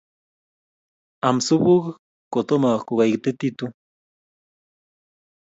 Aam supukuuk kotomo kogaitititu